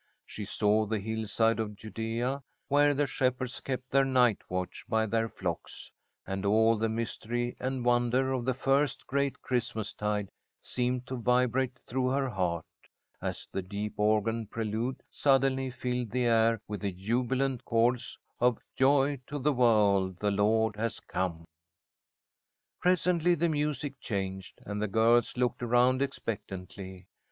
She saw the hillside of Judea, where the shepherds kept their night watch by their flocks, and all the mystery and wonder of the first great Christmastide seemed to vibrate through her heart, as the deep organ prelude suddenly filled the air with the jubilant chords of "Joy to the world, the Lord has come." Presently the music changed, and the girls looked around expectantly.